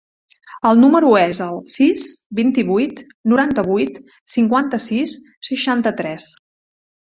El meu número es el sis, vint-i-vuit, noranta-vuit, cinquanta-sis, seixanta-tres.